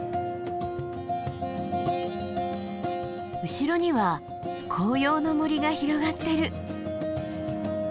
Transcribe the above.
後ろには紅葉の森が広がってる。